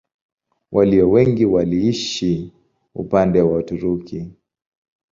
Walio wengi waliishi upande wa Uturuki.